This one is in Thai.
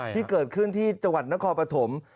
ที่เกิดขึ้นที่จังหวัดนครปฐม